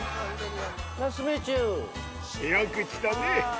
よく来たね。